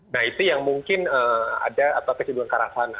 nah itu yang mungkin ada apa apa kecaduan karasana